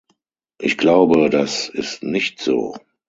Ich glaube, das ist nicht so!